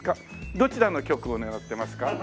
どちらの局を狙ってますか？